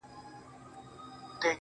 • رڼا ترې باسم له څراغه .